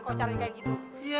kok caranya kayak gitu